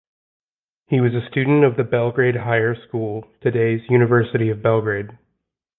He was a student of the Belgrade Higher School, today's University of Belgrade.